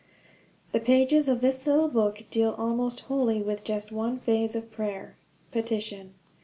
_ THE pages of this little book deal almost wholly with just one phase of prayer petition.